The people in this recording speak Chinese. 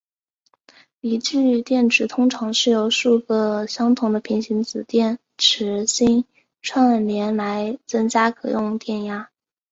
锂聚电池通常是由数个相同的平行子电池芯串联来增加可用电压。